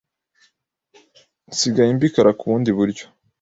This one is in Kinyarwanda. nsigaye mbikora mu bundi buryo